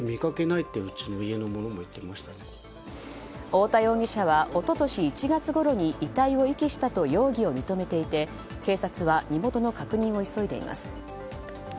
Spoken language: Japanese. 太田容疑者は一昨年１月ごろに遺体を遺棄したと容疑を認めていて警察は身元の確認を急いでいます。